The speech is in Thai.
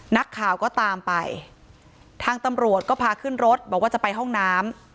นักข่าวก็ตามไปทางตำรวจก็พาขึ้นรถบอกว่าจะไปห้องน้ำ